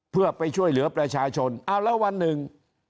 เพื่อไปช่วยเหลือประชาชนเอาแล้ววันหนึ่ง